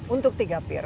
untuk tiga peer